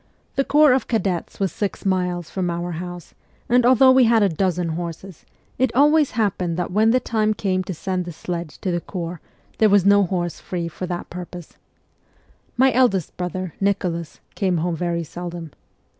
The corps of cadets was six miles from our house, and although we had a dozen horses, it always happened that when the time came to send the sledge to the corps there was no horse free for that pur pose. My eldest brother, Nicholas, came home very seldom.